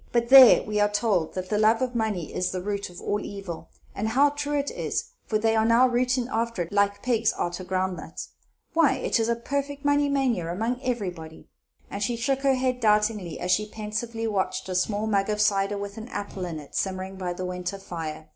But there, we are told that the love of money is the root of all evil, and how true it is! for they are now rooting arter it, like pigs arter ground nuts. Why, it is a perfect money mania among everybody!" And she shook her head doubtingly, as she pensively watched a small mug of cider, with an apple in it, simmering by the winter fire.